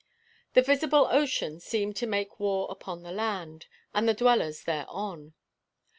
The visible ocean seemed to make war upon the land, and the dwellers thereon.